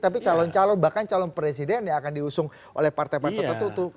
tapi calon calon bahkan calon presiden yang akan diusung oleh partai partai tertutup